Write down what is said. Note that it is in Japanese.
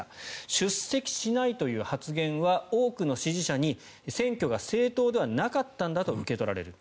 出席しないという発言は多くの支持者に選挙が正当ではなかったんだと受け取られる。